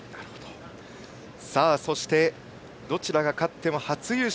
さあ、そしてどちらが勝っても初優勝。